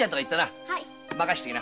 任しときな。